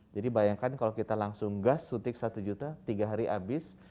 jadi bayangkan kalau kita langsung gas sutik satu juta tiga hari habis